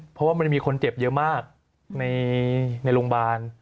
เพราะว่ามันมีคนเจ็บเยอะมากในโรงพยาบาล